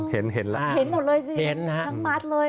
เห็นหมดเลยสิ